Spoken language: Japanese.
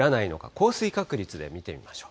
降水確率で見てみましょう。